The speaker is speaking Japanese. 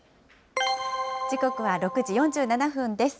時刻は６時４７分です。